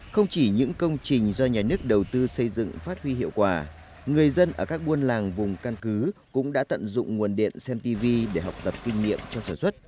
không chỉ những công trình do nhà nước đầu tư xây dựng phát huy hiệu quả người dân ở các buôn làng vùng căn cứ cũng đã tận dụng nguồn điện xem tv để học tập kinh nghiệm cho sản xuất